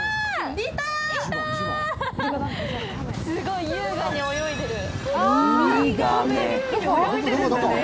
すごい優雅に泳いでる。